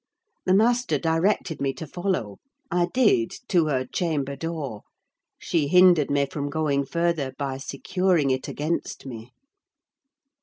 The master directed me to follow; I did, to her chamber door: she hindered me from going further by securing it against me.